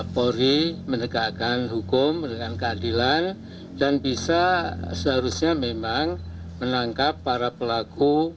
polri menegakkan hukum dengan keadilan dan bisa seharusnya memang menangkap para pelaku